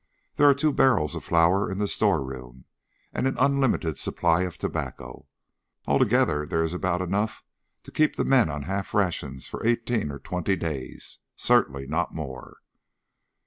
There are two barrels of flour in the store room, and an unlimited supply of tobacco. Altogether there is about enough to keep the men on half rations for eighteen or twenty days certainly not more.